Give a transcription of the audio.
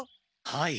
はい。